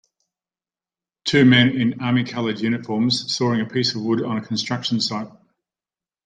Two men in armycolored uniforms sawing a piece of wood on a construction site.